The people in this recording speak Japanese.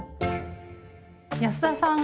安田さん